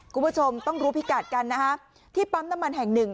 คุณผู้ชมต้องรู้พิกัดกันนะฮะที่ปั๊มน้ำมันแห่งหนึ่ง